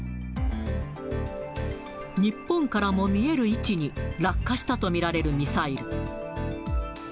日本からも見える位置に落下したとみられるミサイル。